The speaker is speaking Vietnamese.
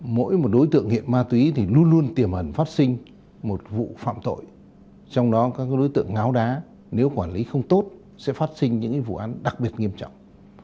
mỗi một đối tượng nghiện ma túy thì luôn luôn tiềm ẩn phát sinh một vụ phạm tội trong đó các đối tượng ngáo đá nếu quản lý không tốt sẽ phát sinh những vụ án đặc biệt nghiêm trọng